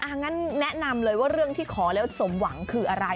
อะงั้นน่าแนะนำเรื่องที่ขอแล้วสมหวังคืออะไร